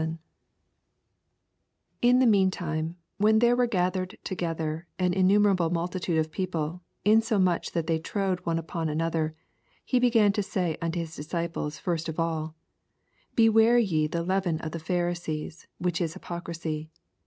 1 In the meantime, when there were gathered together an innumer able multitude of people, insomuch that they trode one upon another, he began to say unto his disciples iirst of all^ Beware ye of the leaven of the Pharisees, which is hypocrisy.